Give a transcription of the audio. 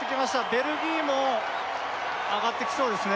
ベルギーも上がってきそうですね